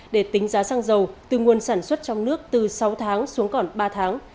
để tính giá sang giàu từ nguồn sản xuất trong nước từ sáu tháng xuống còn ba tháng